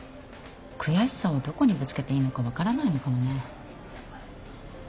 悔しさをどこにぶつけていいのか分からないのかもね。